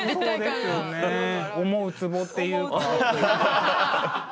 思うつぼっていうか。